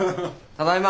ただいま。